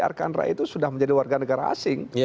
arkandra itu sudah menjadi warga negara asing